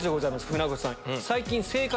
船越さん。